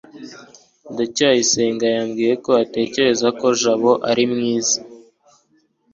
ndacyayisenga yambwiye ko atekereza ko jabo ari mwiza